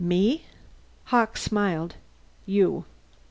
"Me?" Hawkes smiled. "You.